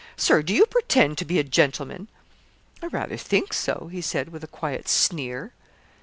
Sir, do you pretend to be a gentleman?' 'I rather think so,' he said, with a quiet sneer.